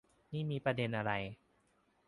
นี่มีประเด็นอะไร